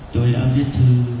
tôi đã viết thư